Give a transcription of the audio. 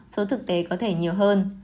số thực tế có thể nhiều hơn